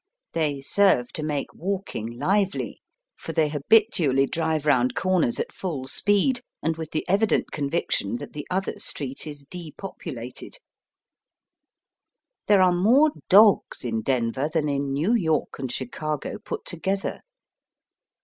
They serve to make walking lively, for they habitually drive round comers at full speed, and with the evident conviction that the Digitized by VjOOQIC 70 BAST BY WEST. other street is depopulated. There are more dogs in Denver than in New York and Chicago put together.